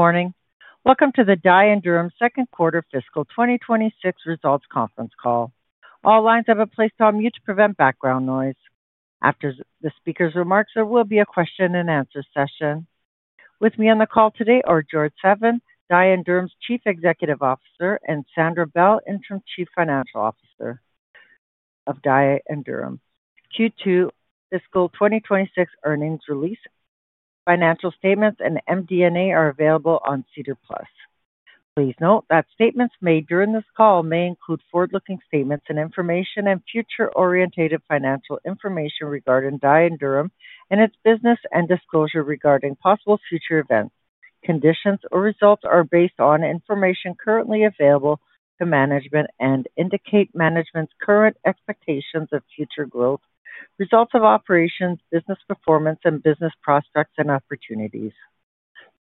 Morning! Welcome to the Dye & Durham second quarter fiscal 2026 results conference call. All lines have been placed on mute to prevent background noise. After the speaker's remarks, there will be a question-and-answer session. With me on the call today are George Tsivin, Dye & Durham's Chief Executive Officer, and Sandra Bell, Interim Chief Financial Officer of Dye & Durham. Q2 fiscal 2026 earnings release, financial statements, and MD&A are available on SEDAR+. Please note that statements made during this call may include forward-looking statements and information and future-oriented financial information regarding Dye & Durham and its business and disclosure regarding possible future events, conditions or results are based on information currently available to management and indicate management's current expectations of future growth, results of operations, business performance, and business prospects and opportunities.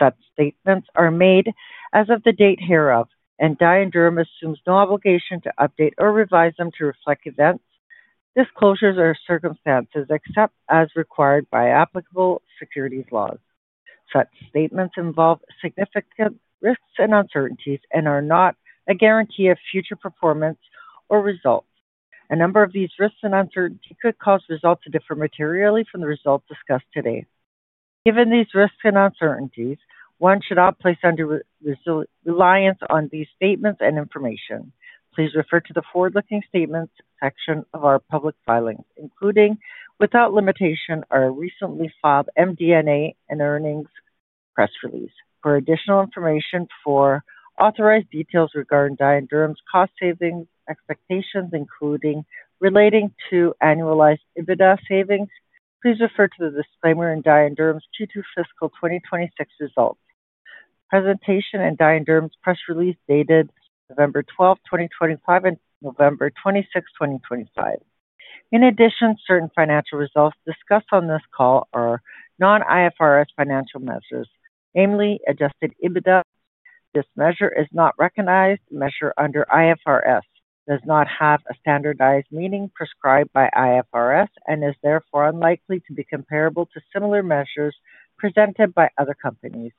Such statements are made as of the date hereof, and Dye & Durham assumes no obligation to update or revise them to reflect events, disclosures, or circumstances, except as required by applicable securities laws. Such statements involve significant risks and uncertainties and are not a guarantee of future performance or results. A number of these risks and uncertainties could cause results to differ materially from the results discussed today. Given these risks and uncertainties, one should not place undue reliance on these statements and information. Please refer to the forward-looking statements section of our public filings, including, without limitation, our recently filed MD&A and earnings press release. For additional information for authorized details regarding Dye & Durham's cost savings expectations, including relating to annualized EBITDA savings, please refer to the disclaimer in Dye & Durham's Q2 fiscal 2026 results, presentation, and Dye & Durham's press release dated November 12th, 2025, and November 26th, 2025.In addition, certain financial results discussed on this call are non-IFRS financial measures, namely adjusted EBITDA. This measure is not recognized measure under IFRS, does not have a standardized meaning prescribed by IFRS, and is therefore unlikely to be comparable to similar measures presented by other companies.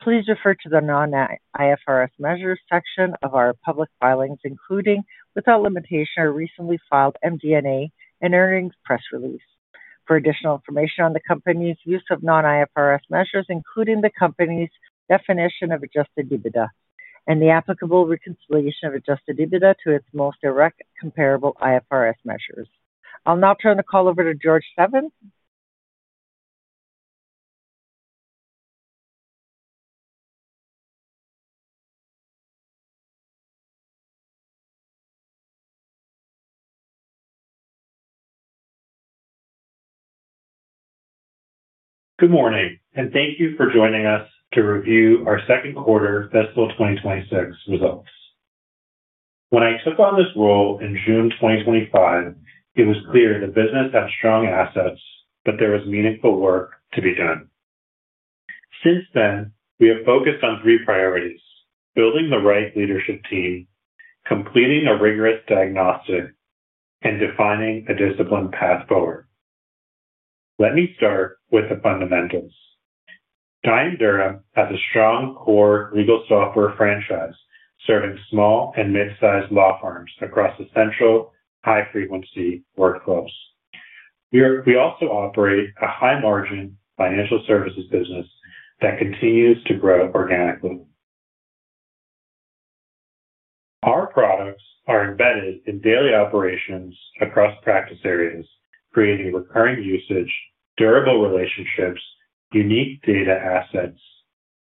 Please refer to the non-IFRS measures section of our public filings, including, without limitation, our recently filed MD&A and earnings press release. For additional information on the company's use of non-IFRS measures, including the company's definition of Adjusted EBITDA and the applicable reconciliation of Adjusted EBITDA to its most direct comparable IFRS measures. I'll now turn the call over to George Tsivin. Good morning, and thank you for joining us to review our second quarter fiscal 2026 results. When I took on this role in June 2025, it was clear the business had strong assets, but there was meaningful work to be done. Since then, we have focused on three priorities: building the right leadership team, completing a rigorous diagnostic, and defining a disciplined path forward. Let me start with the fundamentals. Dye & Durham has a strong core legal software franchise serving small and mid-sized law firms across the central high-frequency workflows. We also operate a high-margin financial services business that continues to grow organically. Our products are embedded in daily operations across practice areas, creating recurring usage, durable relationships, unique data assets,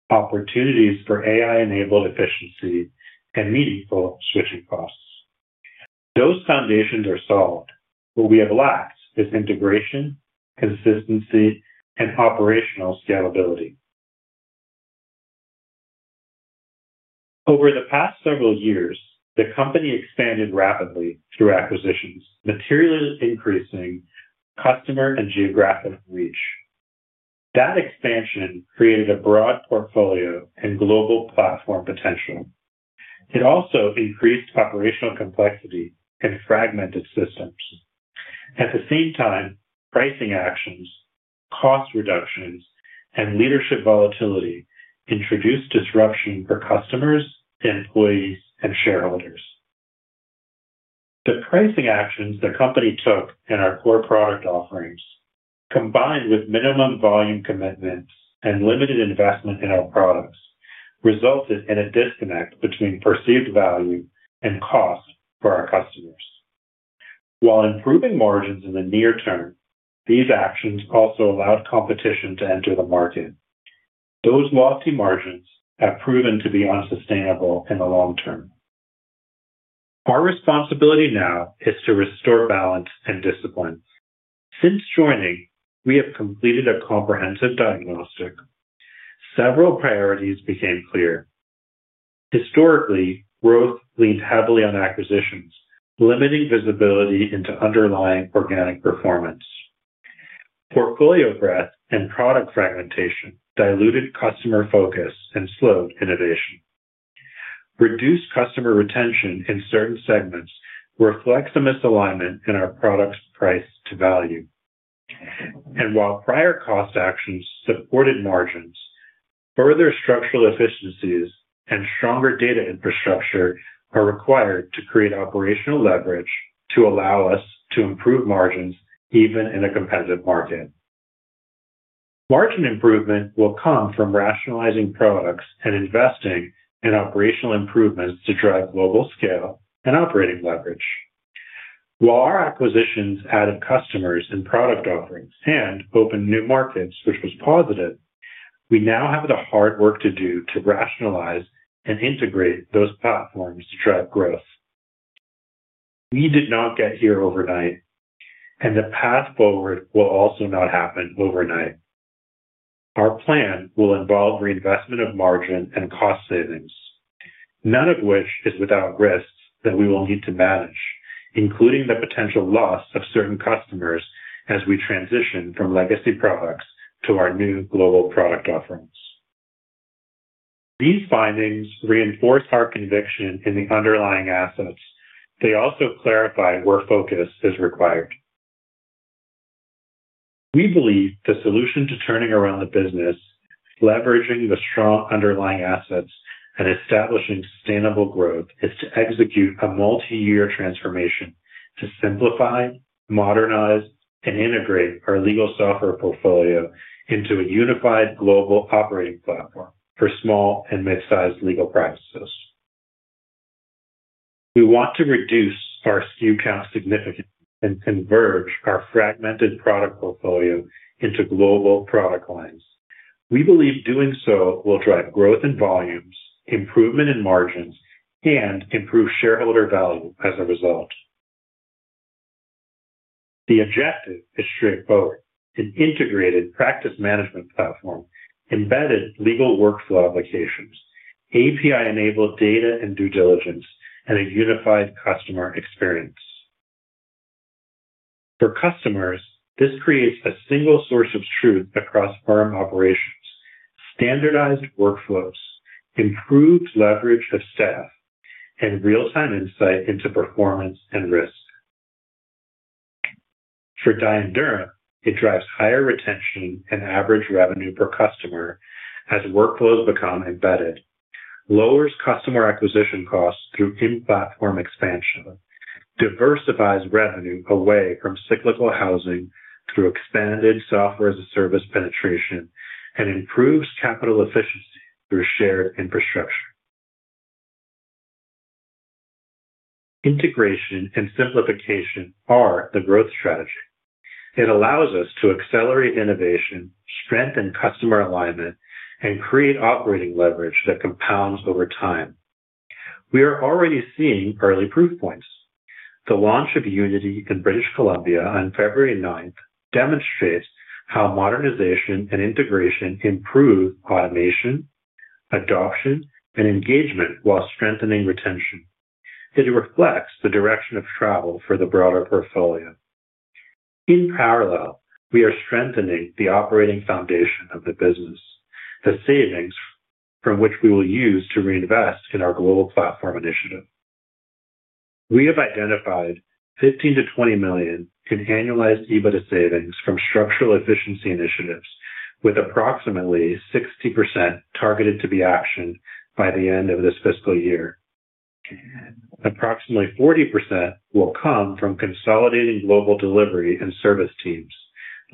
opportunities for AI-enabled efficiency, and meaningful switching costs. Those foundations are solid, but we have lacked is integration, consistency, and operational scalability. Over the past several years, the company expanded rapidly through acquisitions, materially increasing customer and geographic reach. That expansion created a broad portfolio and global platform potential. It also increased operational complexity and fragmented systems. At the same time, pricing actions, cost reductions, and leadership volatility introduced disruption for customers, employees, and shareholders. The pricing actions the company took in our core product offerings, combined with minimum volume commitments and limited investment in our products, resulted in a disconnect between perceived value and cost for our customers. While improving margins in the near term, these actions also allowed competition to enter the market. Those lofty margins have proven to be unsustainable in the long term. Our responsibility now is to restore balance and discipline. Since joining, we have completed a comprehensive diagnostic. Several priorities became clear. Historically, growth leaned heavily on acquisitions, limiting visibility into underlying organic performance. Portfolio breadth and product fragmentation diluted customer focus and slowed innovation. Reduced customer retention in certain segments reflects a misalignment in our products' price to value. While prior cost actions supported margins, further structural efficiencies and stronger data infrastructure are required to create operational leverage to allow us to improve margins, even in a competitive market. Margin improvement will come from rationalizing products and investing in operational improvements to drive global scale and operating leverage. While our acquisitions added customers and product offerings and opened new markets, which was positive, we now have the hard work to do to rationalize and integrate those platforms to drive growth. We did not get here overnight, and the path forward will also not happen overnight. Our plan will involve reinvestment of margin and cost savings, none of which is without risks that we will need to manage, including the potential loss of certain customers as we transition from legacy products to our new global product offerings. These findings reinforce our conviction in the underlying assets. They also clarify where focus is required. We believe the solution to turning around the business, leveraging the strong underlying assets, and establishing sustainable growth, is to execute a multi-year transformation to simplify, modernize, and integrate our legal software portfolio into a unified global operating platform for small and mid-sized legal practices. We want to reduce our SKU count significantly and converge our fragmented product portfolio into global product lines. We believe doing so will drive growth in volumes, improvement in margins, and improve shareholder value as a result. The objective is straightforward: an integrated practice management platform, embedded legal workflow applications, API-enabled data and due diligence, and a unified customer experience. For customers, this creates a single source of truth across firm operations, standardized workflows, improved leverage of staff, and real-time insight into performance and risk. For Dye & Durham, it drives higher retention and average revenue per customer as workflows become embedded, lowers customer acquisition costs through in-platform expansion, diversifies revenue away from cyclical housing through expanded software as a service penetration, and improves capital efficiency through shared infrastructure. Integration and simplification are the growth strategy. It allows us to accelerate innovation, strengthen customer alignment, and create operating leverage that compounds over time. We are already seeing early proof points. The launch of Unity in British Columbia on February ninth demonstrates how modernization and integration improve automation, adoption, and engagement while strengthening retention. It reflects the direction of travel for the broader portfolio. In parallel, we are strengthening the operating foundation of the business, the savings from which we will use to reinvest in our global platform initiative. We have identified 15 million-20 million in annualized EBITDA savings from structural efficiency initiatives, with approximately 60% targeted to be actioned by the end of this fiscal year. Approximately 40% will come from consolidating global delivery and service teams,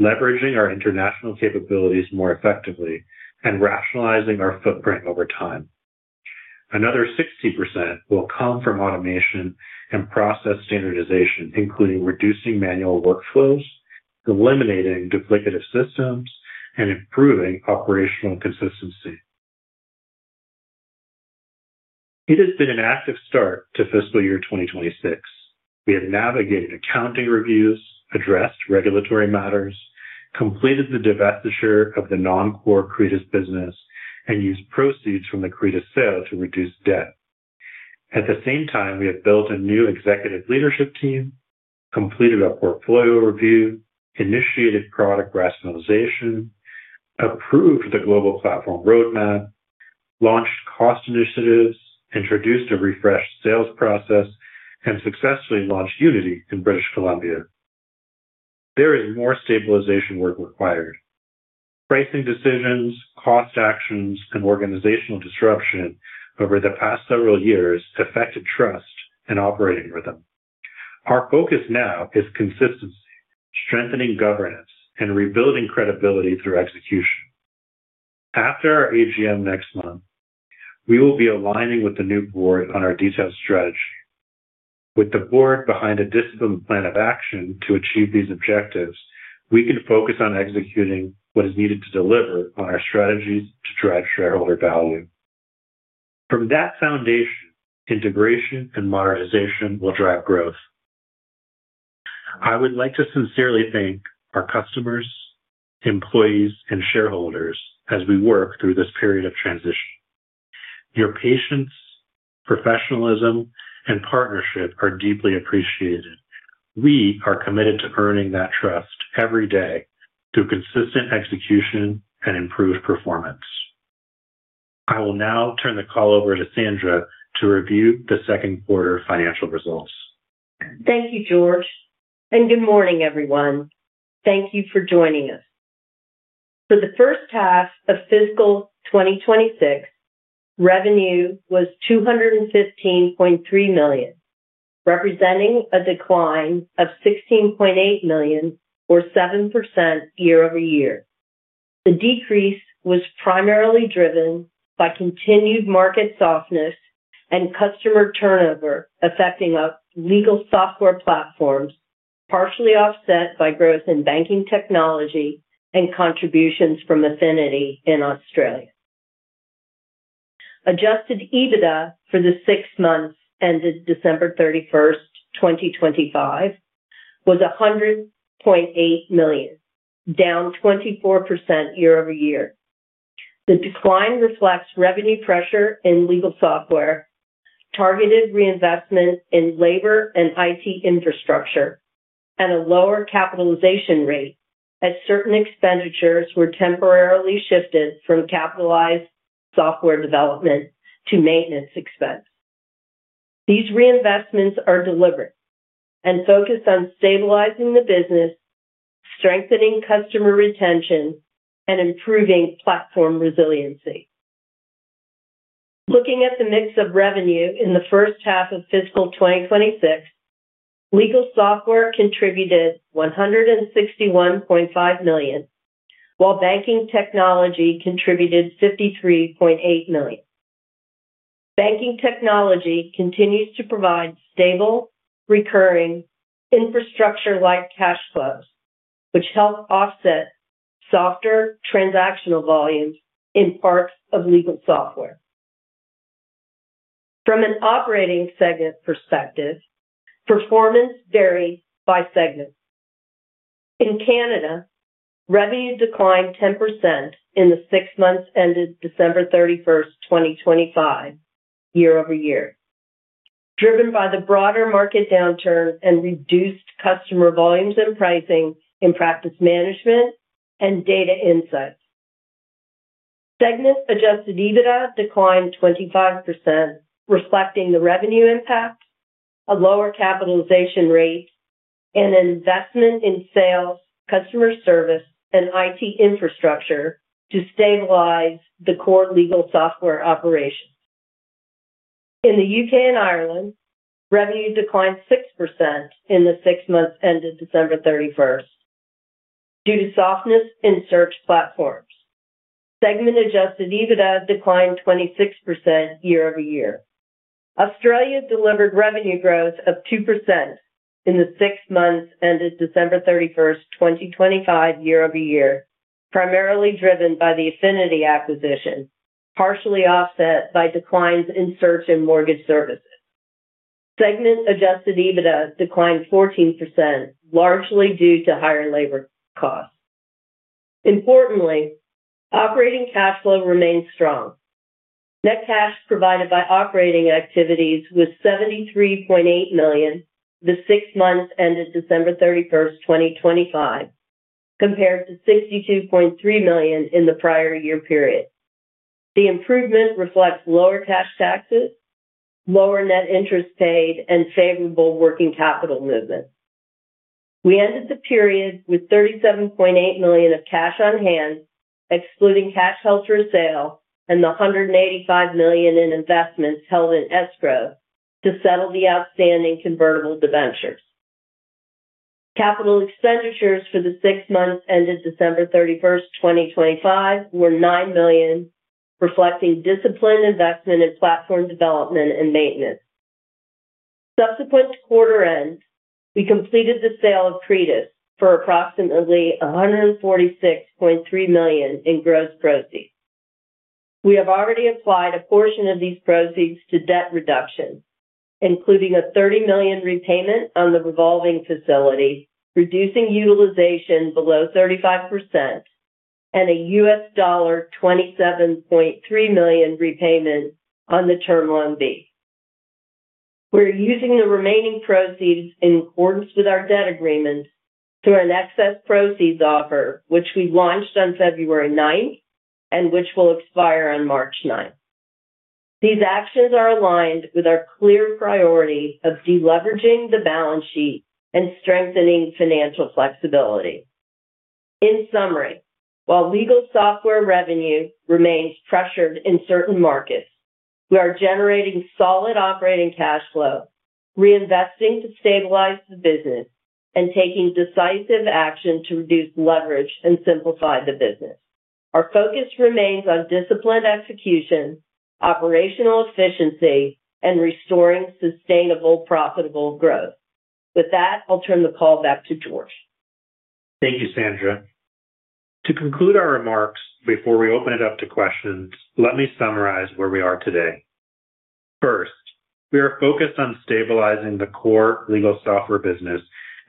leveraging our international capabilities more effectively, and rationalizing our footprint over time. Another 60% will come from automation and process standardization, including reducing manual workflows, eliminating duplicative systems, and improving operational consistency. It has been an active start to fiscal year 2026. We have navigated accounting reviews, addressed regulatory matters, completed the divestiture of the non-core Creditas business, and used proceeds from the Creditas sale to reduce debt. At the same time, we have built a new executive leadership team, completed a portfolio review, initiated product rationalization, approved the global platform roadmap, launched cost initiatives, introduced a refreshed sales process, and successfully launched Unity in British Columbia. There is more stabilization work required. Pricing decisions, cost actions, and organizational disruption over the past several years affected trust and operating rhythm. Our focus now is consistency, strengthening governance, and rebuilding credibility through execution. After our AGM next month, we will be aligning with the new board on our detailed strategy. With the Board behind a disciplined plan of action to achieve these objectives, we can focus on executing what is needed to deliver on our strategies to drive shareholder value. From that foundation, integration and modernization will drive growth. I would like to sincerely thank our customers, employees, and shareholders as we work through this period of transition. Your patience, professionalism, and partnership are deeply appreciated. We are committed to earning that trust every day through consistent execution and improved performance. I will now turn the call over to Sandra to review the second quarter financial results. Thank you, George, and good morning, everyone. Thank you for joining us. For the first half of fiscal 2026, revenue was 215.3 million, representing a decline of 16.8 million, or 7% year-over-year. The decrease was primarily driven by continued market softness and customer turnover, affecting our legal software platforms, partially offset by growth in Banking Technology and contributions from Affinity in Australia. Adjusted EBITDA for the six months ended December 31st, 2025, was 100.8 million, down 24% year-over-year. The decline reflects revenue pressure in legal software, targeted reinvestment in labor and IT infrastructure, and a lower capitalization rate, as certain expenditures were temporarily shifted from capitalized software development to maintenance expense. These reinvestments are deliberate and focused on stabilizing the business, strengthening customer retention, and improving platform resiliency. Looking at the mix of revenue in the first half of fiscal 2026, Legal Software contributed 161.5 million, while Banking Technology contributed 53.8 million. Banking Technology continues to provide stable, recurring, infrastructure-like cash flows, which help offset softer transactional volumes in parts of Legal Software. From an operating segment perspective, performance varied by segment. In Canada, revenue declined 10% in the six months ended December 31st, 2025, year-over-year, driven by the broader market downturn and reduced customer volumes and pricing in practice management and data insights. Segment Adjusted EBITDA declined 25%, reflecting the revenue impact, a lower capitalization rate, and an investment in sales, customer service, and IT infrastructure to stabilize the core legal software operations. In the U.K. and Ireland, revenue declined 6% in the six months ended December 31st, due to softness in search platforms. Segment Adjusted EBITDA declined 26% year-over-year. Australia delivered revenue growth of 2% in the six months ended December 31st, 2025, year-over-year, primarily driven by the Affinity acquisition, partially offset by declines in search and mortgage services. Segment Adjusted EBITDA declined 14%, largely due to higher labor costs. Importantly, operating cash flow remains strong. Net cash provided by operating activities was 73.8 million, the six months ended December 31st, 2025, compared to 62.3 million in the prior year period. The improvement reflects lower cash taxes, lower net interest paid, and favorable working capital movement. We ended the period with CAD 37.8 million of cash on hand, excluding cash held for sale, and 185 million in investments held in escrow to settle the outstanding convertible debentures. Capital expenditures for the six months ended December 31st, 2025, were 9 million, reflecting disciplined investment in platform development and maintenance. Subsequent to quarter end, we completed the sale of Creditas for approximately 146.3 million in gross proceeds. We have already applied a portion of these proceeds to debt reduction, including a 30 million repayment on the revolving facility, reducing utilization below 35%, and a $27.3 million repayment on the Term Loan B. We're using the remaining proceeds in accordance with our debt agreement through an excess proceeds offer, which we launched on February 9th, and which will expire on March 9th. These actions are aligned with our clear priority of deleveraging the balance sheet and strengthening financial flexibility. In summary, while legal software revenue remains pressured in certain markets, we are generating solid operating cash flow, reinvesting to stabilize the business, and taking decisive action to reduce leverage and simplify the business. Our focus remains on disciplined execution, operational efficiency, and restoring sustainable, profitable growth. With that, I'll turn the call back to George. Thank you, Sandra. To conclude our remarks before we open it up to questions, let me summarize where we are today. First, we are focused on stabilizing the core Legal Software business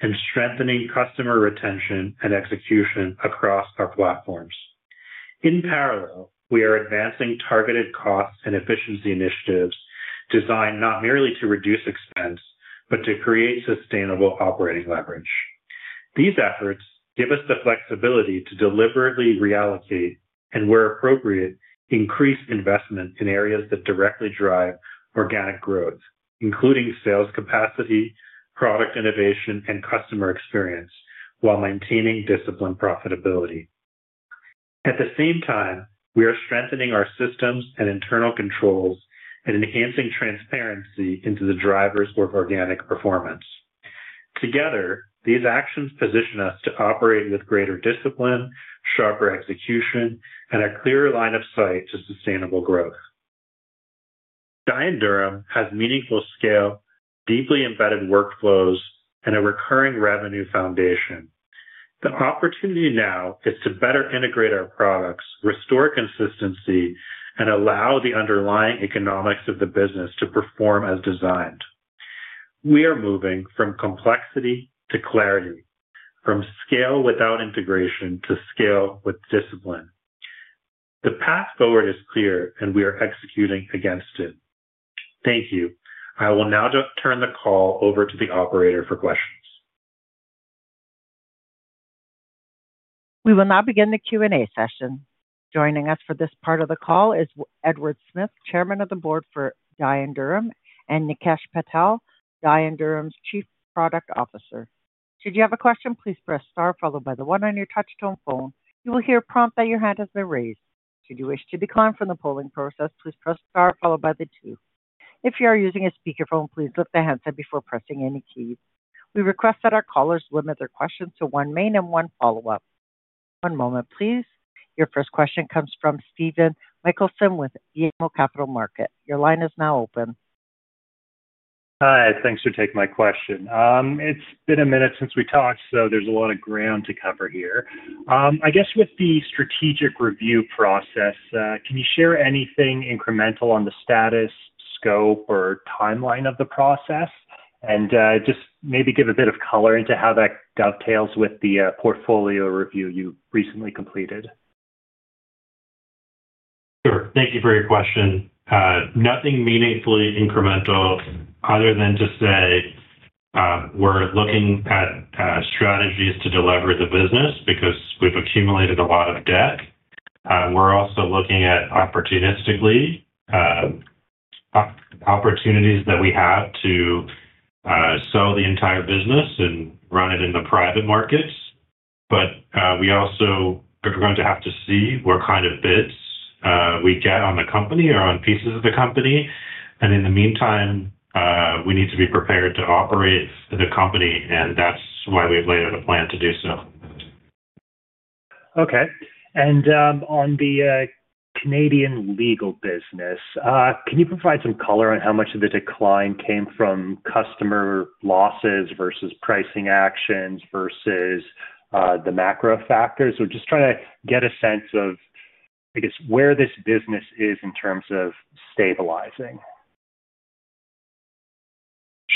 and strengthening customer retention and execution across our platforms. In parallel, we are advancing targeted cost and efficiency initiatives designed not merely to reduce expense, but to create sustainable operating leverage. These efforts give us the flexibility to deliberately reallocate, and where appropriate, increase investment in areas that directly drive organic growth, including sales capacity, product innovation, and customer experience, while maintaining disciplined profitability. At the same time, we are strengthening our systems and internal controls and enhancing transparency into the drivers of organic performance. Together, these actions position us to operate with greater discipline, sharper execution, and a clearer line of sight to sustainable growth. Dye & Durham has meaningful scale, deeply embedded workflows, and a recurring revenue foundation. The opportunity now is to better integrate our products, restore consistency, and allow the underlying economics of the business to perform as designed. We are moving from complexity to clarity, from scale without integration to scale with discipline. The path forward is clear, and we are executing against it. Thank you. I will now just turn the call over to the operator for questions. We will now begin the Q&A session. Joining us for this part of the call is Edward Smith, Chairman of the Board for Dye & Durham, and Nikesh Patel, Dye & Durham's Chief Product Officer. Should you have a question, please press star followed by the one on your touch tone phone. You will hear a prompt that your hand has been raised. Should you wish to decline from the polling process, please press star followed by the two. If you are using a speakerphone, please lift the handset before pressing any keys. We request that our callers limit their questions to one main and one follow-up. One moment, please. Your first question comes from Stephen MacLeod with BMO Capital Markets. Your line is now open. Hi, thanks for taking my question. It's been a minute since we talked, so there's a lot of ground to cover here. I guess with the strategic review process, can you share anything incremental on the status, scope, or timeline of the process? And, just maybe give a bit of color into how that dovetails with the, portfolio review you recently completed. Sure. Thank you for your question. Nothing meaningfully incremental other than to say, we're looking at strategies to delever the business because we've accumulated a lot of debt. We're also looking at opportunistically opportunities that we have to sell the entire business and run it in the private markets. But we also are going to have to see what kind of bids we get on the company or on pieces of the company, and in the meantime, we need to be prepared to operate the company, and that's why we've laid out a plan to do so. Okay, on the Canadian legal business, can you provide some color on how much of the decline came from customer losses versus pricing actions versus the macro factors? We're just trying to get a sense of, I guess, where this business is in terms of stabilizing.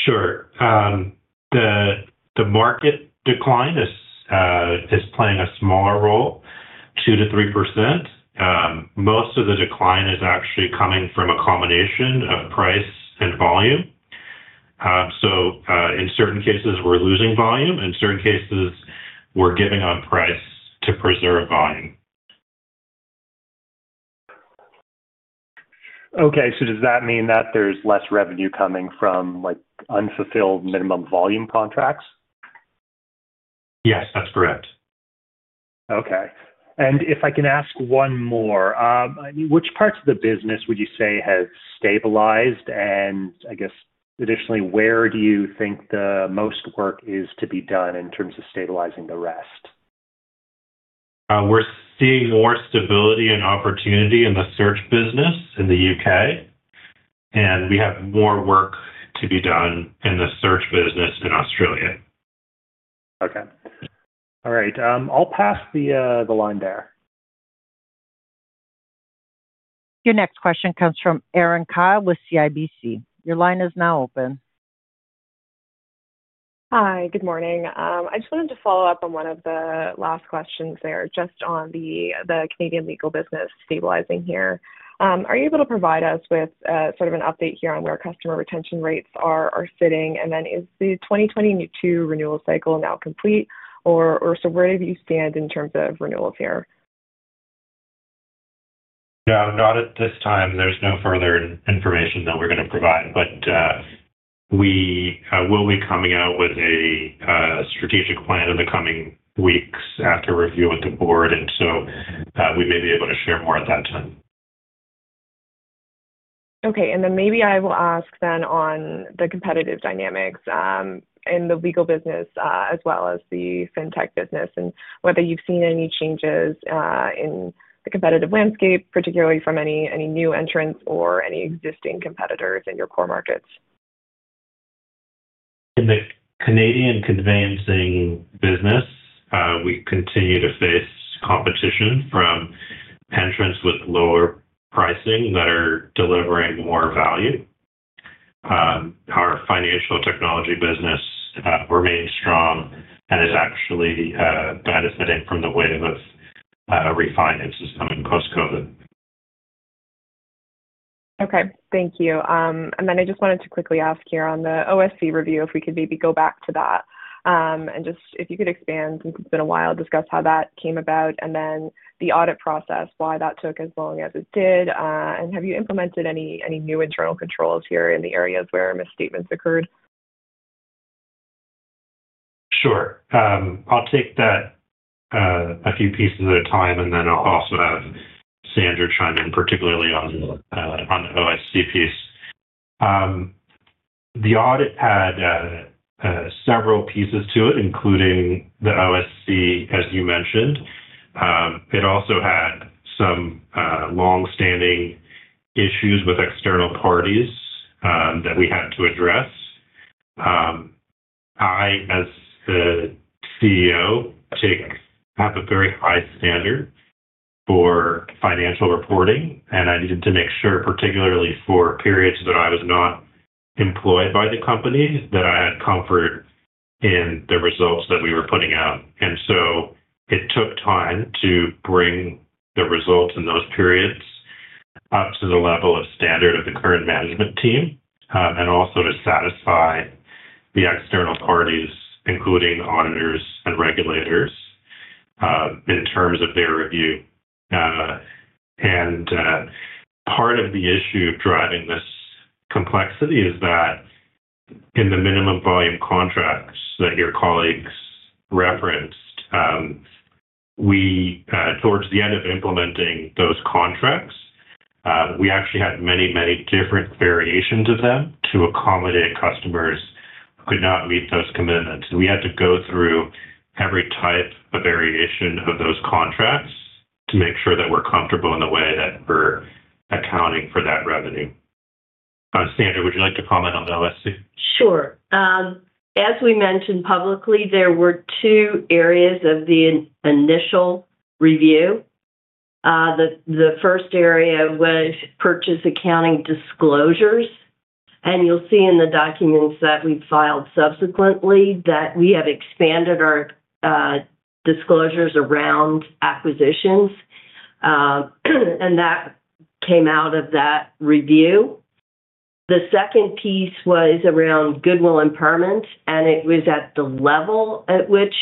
Sure. The market decline is playing a smaller role, 2%-3%. Most of the decline is actually coming from a combination of price and volume. In certain cases, we're losing volume. In certain cases, we're giving on price to preserve volume. Okay, so does that mean that there's less revenue coming from, like, unfulfilled minimum volume contracts? Yes, that's correct. Okay, and if I can ask one more. Which parts of the business would you say have stabilized? And I guess, additionally, where do you think the most work is to be done in terms of stabilizing the rest? We're seeing more stability and opportunity in the search business in the U.K., and we have more work to be done in the search business in Australia. Okay. All right, I'll pass the line there. Your next question comes from Erin Kyle with CIBC. Your line is now open. Hi, good morning. I just wanted to follow up on one of the last questions there, just on the, the Canadian legal business stabilizing here. Are you able to provide us with, sort of an update here on where customer retention rates are sitting? And then, is the 2022 renewal cycle now complete, or so where do you stand in terms of renewals here? Yeah, not at this time. There's no further information that we're gonna provide, but we will be coming out with a strategic plan in the coming weeks after review with the board, and so we may be able to share more at that time. Okay, and then maybe I will ask then on the competitive dynamics in the Legal business, as well as the Fintech business, and whether you've seen any changes in the competitive landscape, particularly from any new entrants or any existing competitors in your core markets. In the Canadian conveyancing business, we continue to face competition from entrants with lower pricing that are delivering more value. Our financial technology business remains strong and is actually benefiting from the wave of refinances coming post-COVID. Okay, thank you. And then I just wanted to quickly ask here on the OSC review, if we could maybe go back to that. And just if you could expand, it's been a while, discuss how that came about, and then the audit process, why that took as long as it did. And have you implemented any, any new internal controls here in the areas where misstatements occurred? Sure. I'll take that a few pieces at a time, and then I'll also have Sandra chime in, particularly on the OSC piece. The audit had several pieces to it, including the OSC, as you mentioned. It also had some long-standing issues with external parties that we had to address. I, as the CEO, have a very high standard for financial reporting, and I needed to make sure, particularly for periods that I was not employed by the company, that I had comfort in the results that we were putting out. And so it took time to bring the results in those periods up to the level of standard of the current management team, and also to satisfy the external parties, including auditors and regulators, in terms of their review. Part of the issue of driving this complexity is that in the minimum volume contracts that your colleagues referenced, we, towards the end of implementing those contracts, we actually had many, many different variations of them to accommodate customers who could not meet those commitments. We had to go through every type of variation of those contracts to make sure that we're comfortable in the way that we're accounting for that revenue. Sandra, would you like to comment on the OSC? Sure. As we mentioned publicly, there were two areas of the initial review. The first area was purchase accounting disclosures, and you'll see in the documents that we've filed subsequently, that we have expanded our disclosures around acquisitions, and that came out of that review. The second piece was around goodwill impairment, and it was at the level at which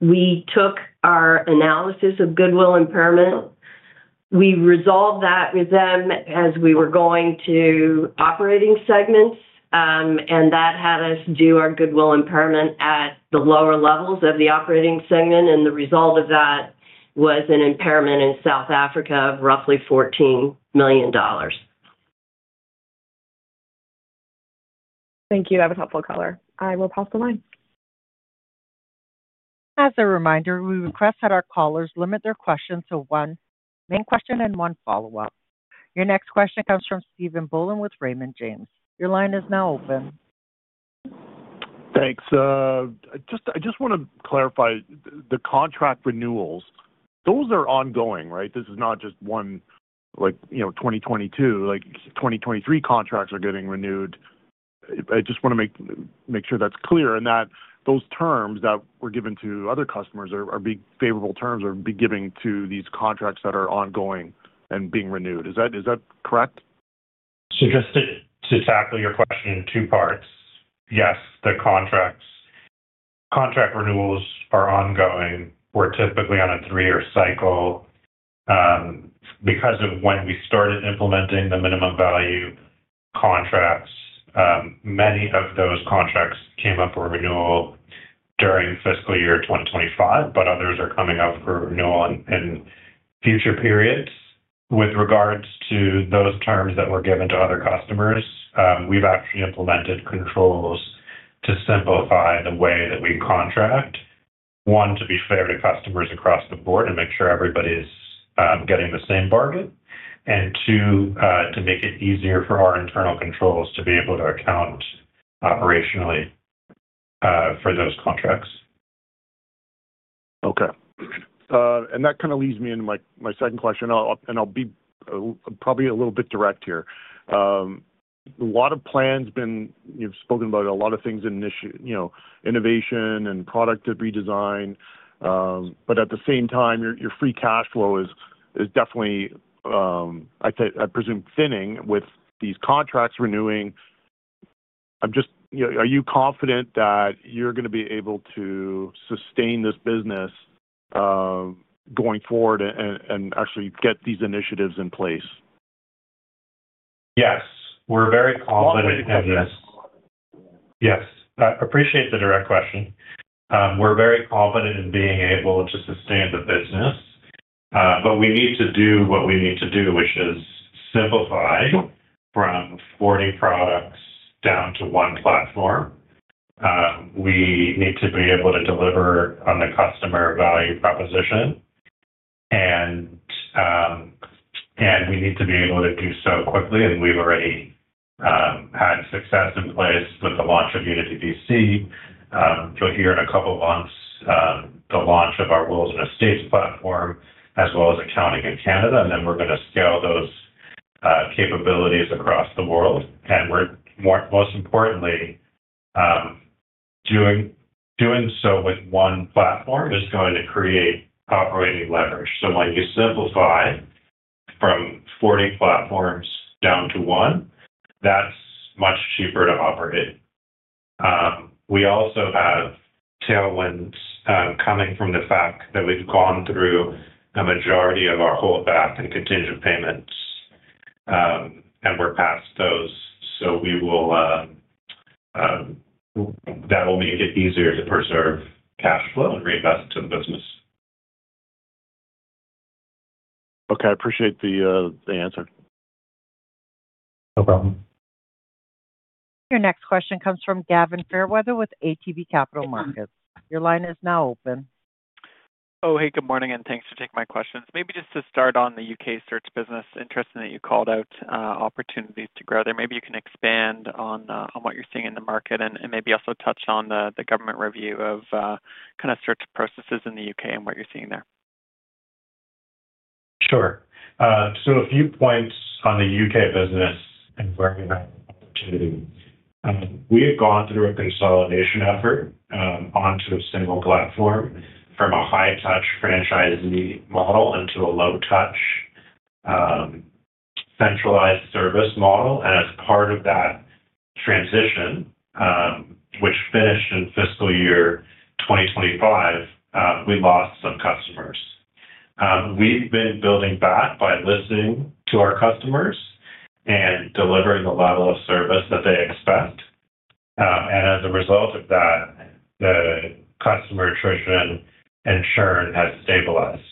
we took our analysis of goodwill impairment. We resolved that with them as we were going to operating segments, and that had us do our goodwill impairment at the lower levels of the operating segment, and the result of that was an impairment in South Africa of roughly 14 million dollars. Thank you. That was a helpful color. I will pass the line. As a reminder, we request that our callers limit their questions to one main question and one follow-up. Your next question comes from Steven Boland with Raymond James. Your line is now open. Thanks. I just want to clarify, the contract renewals, those are ongoing, right? This is not just one, like, you know, 2022, like, 2023 contracts are getting renewed. I just want to make sure that's clear, and that those terms that were given to other customers are big favorable terms are being given to these contracts that are ongoing and being renewed. Is that correct? Just to tackle your question in two parts: Yes, the contract renewals are ongoing. We're typically on a three-year cycle. Because of when we started implementing the minimum value contracts, many of those contracts came up for renewal during fiscal year 2025, but others are coming up for renewal in future periods. With regards to those terms that were given to other customers, we've actually implemented controls to simplify the way that we contract. One, to be fair to customers across the board and make sure everybody's getting the same bargain. And two, to make it easier for our internal controls to be able to account operationally for those contracts. Okay. And that kind of leads me into my second question. I'll and I'll be probably a little bit direct here. You've spoken about a lot of things in issue, you know, innovation and product redesign, but at the same time, your free cash flow is definitely, I'd say, I presume, thinning with these contracts renewing. I'm just, you know, are you confident that you're going to be able to sustain this business, going forward and actually get these initiatives in place? Yes, we're very confident in this. Yes, I appreciate the direct question. We're very confident in being able to sustain the business, but we need to do what we need to do, which is simplify from 40 products down to one platform. We need to be able to deliver on the customer value proposition, and, and we need to be able to do so quickly, and we've already, had success in place with the launch of Unity BC. So here in a couple of months, the launch of our wills and estates platform, as well as accounting in Canada, and then we're going to scale those, capabilities across the world. And we're more, most importantly, doing so with one platform is going to create operating leverage. So when you simplify from 40 platforms down to one, that's much cheaper to operate. We also have tailwinds coming from the fact that we've gone through a majority of our holdback and contingent payments, and we're past those. So that will make it easier to preserve cash flow and reinvest it to the business. Okay, I appreciate the answer. No problem. Your next question comes from Gavin Fairweather with ATB Capital Markets. Your line is now open. Oh, hey, good morning, and thanks for taking my questions. Maybe just to start on the U.K. search business, interesting that you called out opportunities to grow there. Maybe you can expand on what you're seeing in the market and maybe also touch on the government review of kind of search processes in the U.K. and what you're seeing there. Sure. So a few points on the U.K. business and where we have opportunity. We have gone through a consolidation effort onto a single platform from a high-touch franchisee model into a low-touch centralized service model. And as part of that transition, which finished in fiscal year 2025, we lost some customers. We've been building back by listening to our customers and delivering the level of service that they expect. And as a result of that, the customer attrition and churn has stabilized.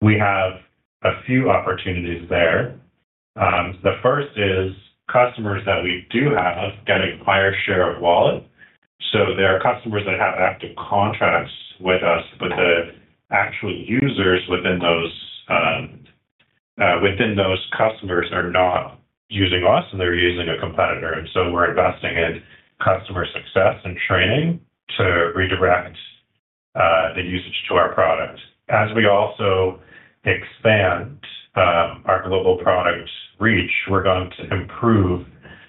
We have a few opportunities there. The first is customers that we do have get a higher share of wallet. So there are customers that have active contracts with us, but the actual users within those customers are not using us, and they're using a competitor. And so we're investing in customer success and training to redirect the usage to our product. As we also expand our global product reach, we're going to improve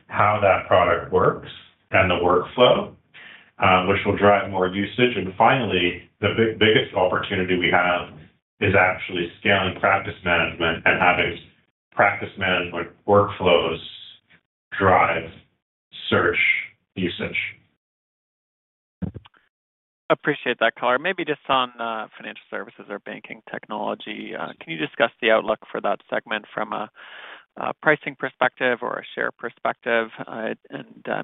how that product works and the workflow, which will drive more usage. And finally, the biggest opportunity we have is actually scaling practice management and having practice management workflows drive search usage. Appreciate that color. Maybe just on financial services or Banking Technology, can you discuss the outlook for that segment from a pricing perspective or a share perspective? And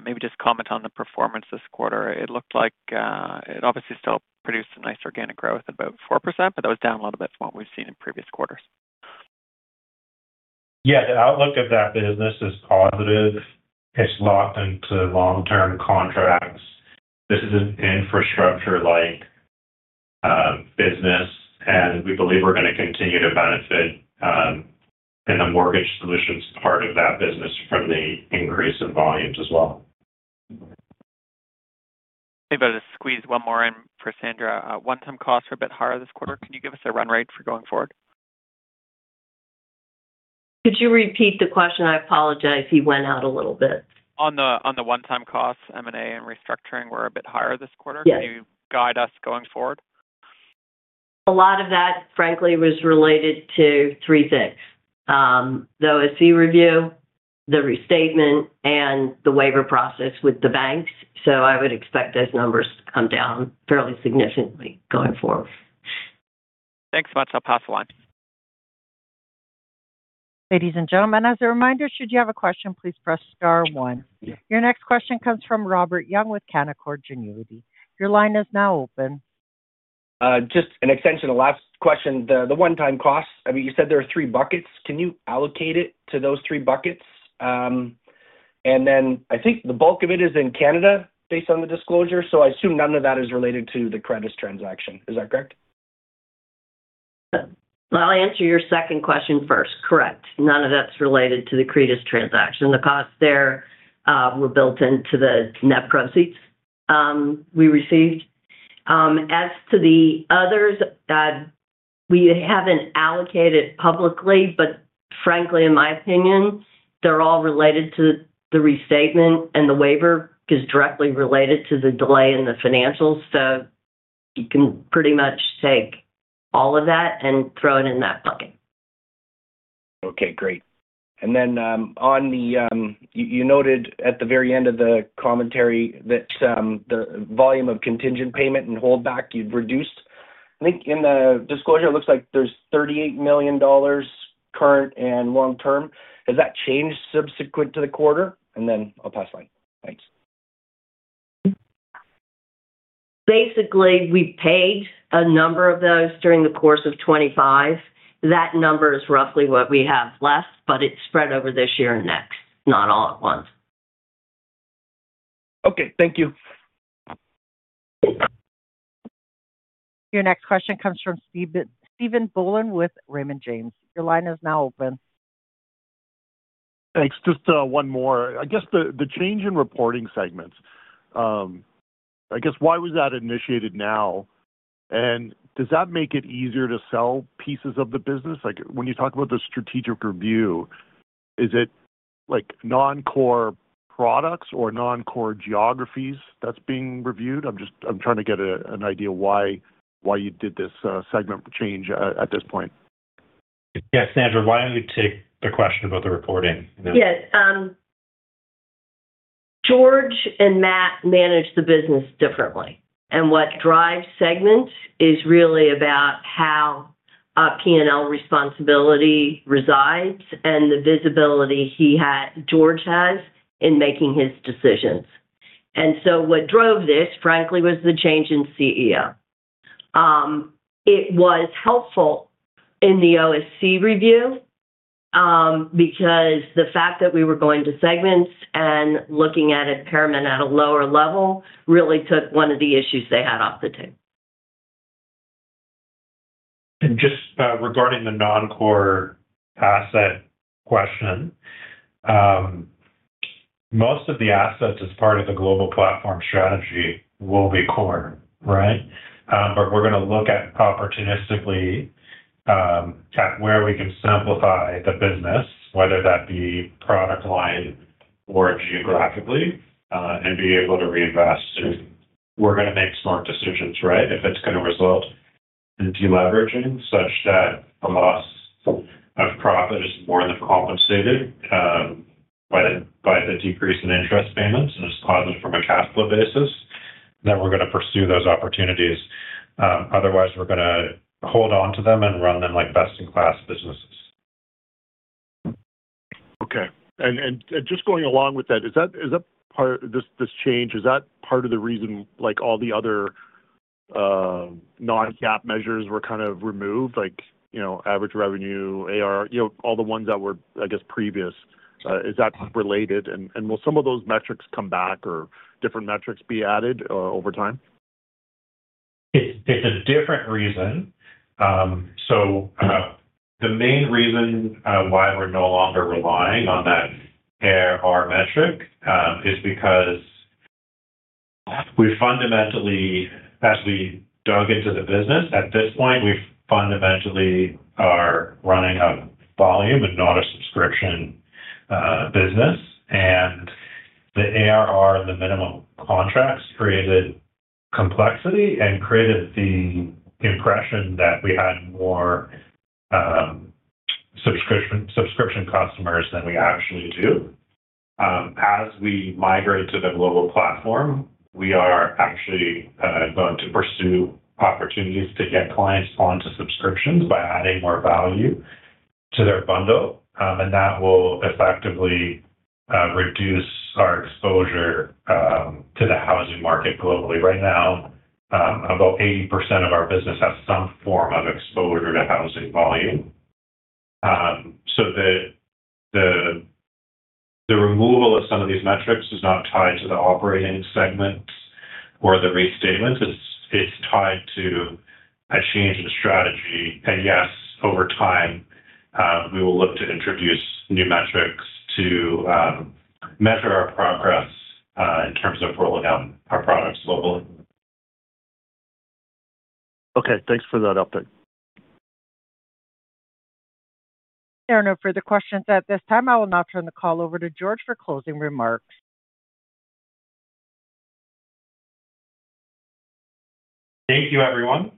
maybe just comment on the performance this quarter. It looked like it obviously still produced a nice organic growth, about 4%, but that was down a little bit from what we've seen in previous quarters. Yeah, the outlook of that business is positive. It's locked into long-term contracts. This is an infrastructure-like business, and we believe we're gonna continue to benefit in the mortgage solutions part of that business from the increase in volumes as well. Maybe I'll just squeeze one more in for Sandra. One-time costs were a bit higher this quarter. Can you give us a run rate for going forward? Could you repeat the question? I apologize. He went out a little bit. On the one-time costs, M&A and restructuring were a bit higher this quarter. Yes. Can you guide us going forward? A lot of that, frankly, was related to three things: the OSC review, the restatement, and the waiver process with the banks. So I would expect those numbers to come down fairly significantly going forward. Thanks so much. I'll pass the line. Ladies and gentlemen, as a reminder, should you have a question, please press star one. Your next question comes from Robert Young with Canaccord Genuity. Your line is now open. Just an extension of last question, the one-time cost. I mean, you said there are three buckets. And then I think the bulk of it is in Canada, based on the disclosure, so I assume none of that is related to the Creditas transaction. Is that correct? Well, I'll answer your second question first. Correct, none of that's related to the Creditas transaction. The costs there were built into the net proceeds we received. As to the others, we haven't allocated publicly, but frankly, in my opinion, they're all related to the restatement, and the waiver is directly related to the delay in the financials. So you can pretty much take all of that and throw it in that bucket. Okay, great. You noted at the very end of the commentary that the volume of contingent payment and holdback you'd reduced. I think in the disclosure, it looks like there's 38 million dollars current and long term. Has that changed subsequent to the quarter? And then I'll pass line. Thanks. Basically, we paid a number of those during the course of 2025. That number is roughly what we have left, but it's spread over this year and next, not all at once. Okay, thank you. Your next question comes from Steven Boland with Raymond James. Your line is now open. Thanks. Just, one more. I guess the, the change in reporting segments, I guess why was that initiated now? And does that make it easier to sell pieces of the business? Like, when you talk about the strategic review, is it like non-core products or non-core geographies that's being reviewed? I'm just, I'm trying to get a, an idea why, why you did this, segment change at, at this point. Yeah, Sandra, why don't you take the question about the reporting? Yes, George and Matt manage the business differently, and what drives segments is really about how P&L responsibility resides and the visibility he had, George has, in making his decisions. And so what drove this, frankly, was the change in CEO. It was helpful in the OSC review, because the fact that we were going to segments and looking at impairment at a lower level really took one of the issues they had off the table. Just regarding the non-core asset question, most of the assets, as part of the global platform strategy, will be core, right? But we're gonna look at opportunistically, at where we can simplify the business, whether that be product line or geographically, and be able to reinvest. We're gonna make smart decisions, right? If it's gonna result in deleveraging, such that the loss of profit is more than compensated, by the decrease in interest payments and is positive from a cash flow basis, then we're gonna pursue those opportunities. Otherwise, we're gonna hold on to them and run them like best-in-class businesses. Okay. And just going along with that, this change, is that part of the reason, like, all the other non-GAAP measures were kind of removed? Like, you know, average revenue, AR, you know, all the ones that were, I guess, previous. Is that related? And will some of those metrics come back or different metrics be added over time? It's a different reason. So, the main reason why we're no longer relying on that ARR metric is because we fundamentally—As we dug into the business, at this point, we fundamentally are running a volume and not a subscription business. And the ARR and the minimum contracts created complexity and created the impression that we had more subscription, subscription customers than we actually do. As we migrate to the global platform, we are actually going to pursue opportunities to get clients onto subscriptions by adding more value to their bundle. And that will effectively reduce our exposure to the housing market globally. Right now, about 80% of our business has some form of exposure to housing volume. So the removal of some of these metrics is not tied to the operating segments or the restatement. It's tied to a change in strategy. And yes, over time, we will look to introduce new metrics to measure our progress in terms of rolling out our products globally. Okay, thanks for that update. There are no further questions at this time. I will now turn the call over to George for closing remarks. Thank you, everyone,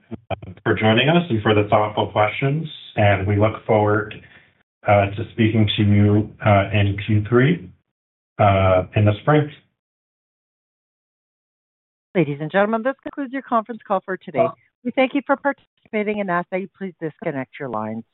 for joining us and for the thoughtful questions, and we look forward to speaking to you in Q3 in the spring. Ladies and gentlemen, this concludes your conference call for today. We thank you for participating and ask that you please disconnect your lines.